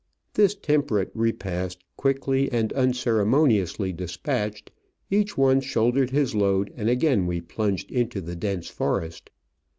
This temperate repast quickly and uncere moniously despatched, each one shouldered his load and again we plunged into the dense forest.